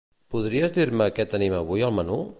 Podries dir-me què tenim avui al menú?